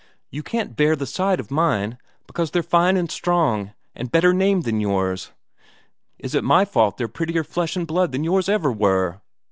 You can't bear the sight of mine, because they're fine and strong, and better named than yours. Is it my fault they're prettier flesh and blood than yours ever were?"